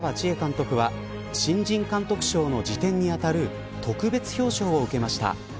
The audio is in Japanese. ７５の早川千絵監督は新人監督賞の次点に当たる特別表彰を受けました。